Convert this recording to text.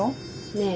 ねえ？